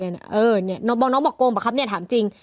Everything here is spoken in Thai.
เนี่ยนะเออน้องบอกโกงปะครับเนี่ยถามจริง